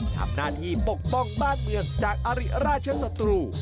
ทำหน้าที่ปกป้องบ้านเมืองจากอริราชศัตรู